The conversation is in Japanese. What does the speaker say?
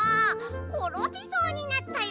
ころびそうになったよ。